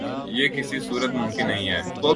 یہ کسی صورت ممکن نہیں ہے